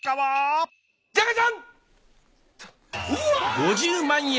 ５０万円！